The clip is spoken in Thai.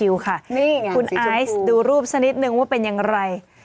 นี่ไงคุณไอซ์ดูรูปสักนิดนึงว่าเป็นอย่างไร